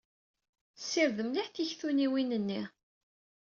Ssired mliḥ tiktunyiwin-nni.